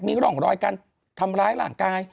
มีร่องรอยการทำร้ายร่างกาย